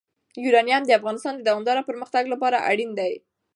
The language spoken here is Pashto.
یورانیم د افغانستان د دوامداره پرمختګ لپاره اړین دي.